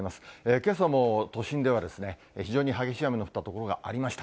けさも都心では、非常に激しい雨の降った所がありました。